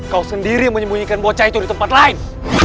kau sendiri menyembunyikan bocah itu di tempat lain